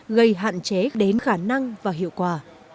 gây hạn chế đến khả năng và hiệu quả